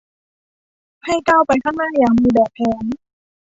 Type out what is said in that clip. ให้ก้าวไปข้างหน้าอย่างมีแบบแผน